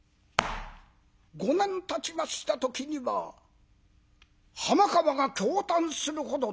５年たちました時には浜川が驚嘆するほどの見事な筆跡。